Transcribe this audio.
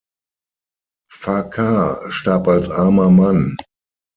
Farquhar starb als armer Mann.